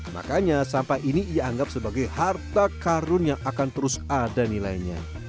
makanya sampah ini ia anggap sebagai harta karun yang akan terus ada nilainya